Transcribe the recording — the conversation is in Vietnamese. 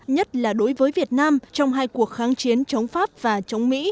nhất là đối với việt nam trong hai cuộc kháng chiến chống pháp và chống mỹ